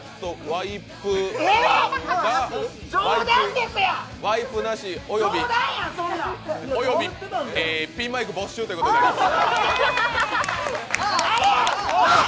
ワイプなしおよびピンマイク没収ということになります。